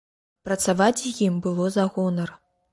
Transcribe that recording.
Працаваць з ім было за гонар.